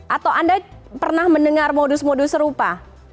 atau anda pernah mendengar modus modus serupa